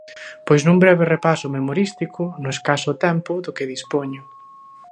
Pois nun breve repaso memorístico no escaso tempo do que dispoño.